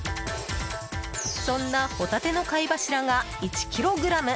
そんなホタテの貝柱が１ｋｇ。